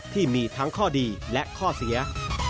ที่มีทั้งข้อดีและข้อเสีย